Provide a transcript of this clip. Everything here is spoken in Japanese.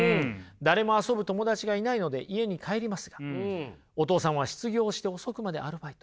誰も遊ぶ友達がいないので家に帰りますがお父さんは失業して遅くまでアルバイト。